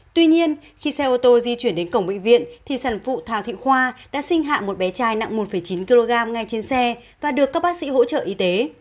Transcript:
tuy nhiên khi xe ô tô di chuyển đến cổng bệnh viện thì sản phụ thào thị khoa đã sinh hạ một bé trai nặng một chín kg ngay trên xe và được các bác sĩ hỗ trợ y tế